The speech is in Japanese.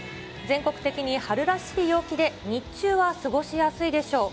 全国的に春らしい陽気で、日中は過ごしやすいでしょう。